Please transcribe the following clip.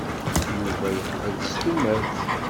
Yuba yeqbel s tumert.